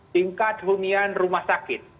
tingkat rumian rumah sakit